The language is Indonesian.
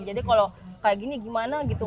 jadi kalau kayak gini gimana gitu